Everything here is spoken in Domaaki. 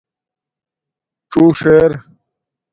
څݸݽ ار